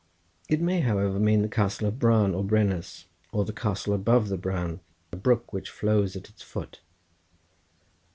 It may, however, mean the castle of Bran or Brennus, or the castle above the Bran, a brook which flows at its foot.